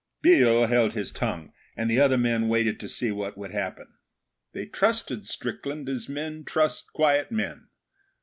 Biel held his tongue, and the other men waited to see what would happen. They trusted Strickland as men trust quiet men.